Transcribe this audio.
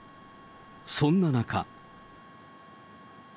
そんな中。